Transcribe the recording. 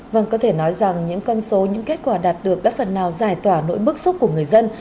vâng có thể nói rằng những con số những kết quả đạt được đã phần nào giải tỏa nỗi bức xúc của người dân